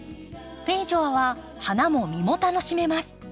フェイジョアは花も実も楽しめます。